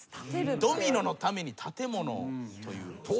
ドミノのために建物という。